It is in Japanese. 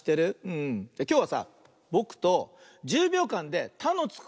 きょうはさぼくと１０びょうかんで「た」のつく